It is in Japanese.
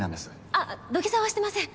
あっ土下座はしてません。